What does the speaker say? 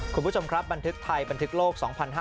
คุณผู้ชมครับบันทึกไทยบันทึกโลก๒๕๕๙